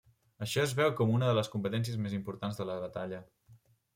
Això es veu com una de les competències més importants de la batalla.